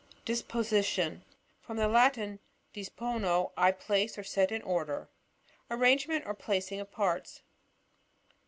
Disposition.— From the Latin, di^ pono, I place or set in order. Ai^ rangement or placing of parts.